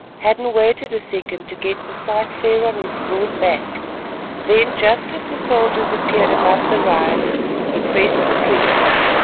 Hadden waited a second to get the sight fair on his broad back, then just as the soldiers appeared above the rise he pressed the trigger.